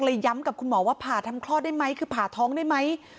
ย้ำกับคุณหมอว่าผ่าทำคลอดได้ไหมคือผ่าท้องได้ไหม